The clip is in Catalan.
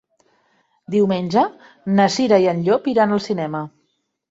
Diumenge na Cira i en Llop iran al cinema.